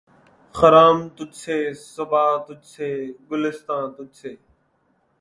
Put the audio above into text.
خرام تجھ سے‘ صبا تجھ سے‘ گلستاں تجھ سے